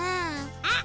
あっ！